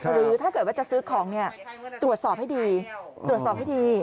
หรือถ้าเกิดว่าจะซื้อของตรวจสอบให้ดี